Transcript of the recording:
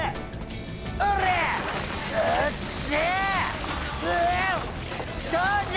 うっしゃ！